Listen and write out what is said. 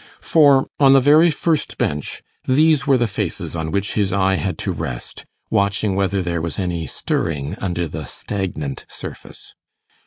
For, on the very first bench, these were the faces on which his eye had to rest, watching whether there was any stirring under the stagnant surface.